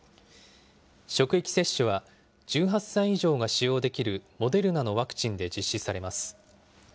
職域接種は、１８歳以上が使用できるモデルナのワクチンで実施されます。